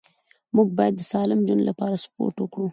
موږ باید د سالم ژوند لپاره سپورت وکړو